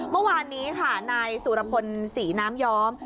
เมื่อวานนี้ค่ะนายสุรพลศรีน้ำย้อม